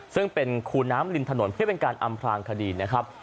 ซึ่งเป็นคูน้ำริมถนนเพื่อเป็นการอำพลางคดีนะครับ